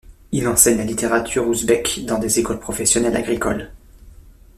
Il enseigne la littérature ouzbèke dans des écoles professionnelles agricoles.